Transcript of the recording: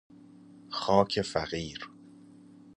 خاک فقیر